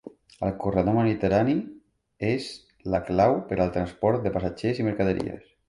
El corredor mediterrani és la clau per al transport de passatgers i mercaderies.